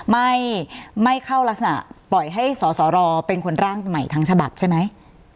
ไม่ไม่เข้ารักษณะปล่อยให้สสรเป็นคนร่างใหม่ทั้งฉบับใช่ไหม